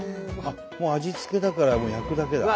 もう味付きだから焼くだけだ。